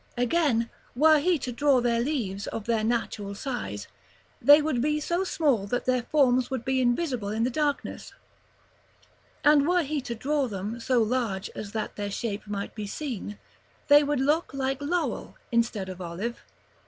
Again, were he to draw the leaves of their natural size, they would be so small that their forms would be invisible in the darkness; and were he to draw them so large as that their shape might be seen, they would look like laurel instead of olive.